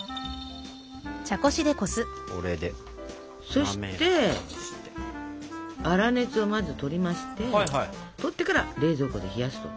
そして粗熱をまずとりましてとってから冷蔵庫で冷やすと。